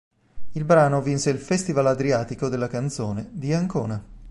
Il brano vinse il Festival Adriatico della Canzone di Ancona.